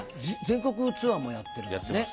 全国ツアーもやってるんだね。